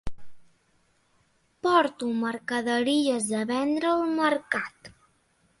Porto mercaderies a vendre al mercat.